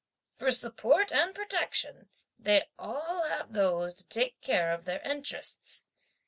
For support and protection, they all have those to take care of their interests!